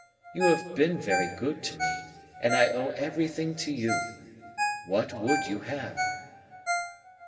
You have been very good to me, and I owe everything to you. What would you have?"